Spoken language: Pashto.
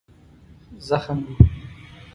زخم و.